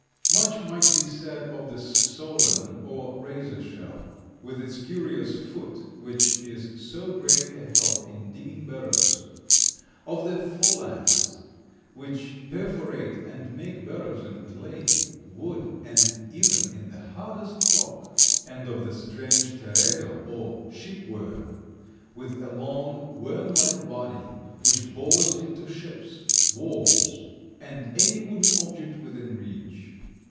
Much might be said of the Solen or razor shell, with its curious foot which is so great a help in digging burrows; of the Pholads, which perforate and make burrows in clay, wood and even in the hardest rock; and of the strange Teredo or "shipworm," with a long, worm like body which bores into ships, wharves and any wooden object within reach.